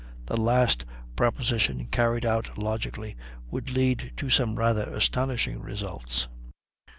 The last proposition carried out logically would lead to some rather astonishing results.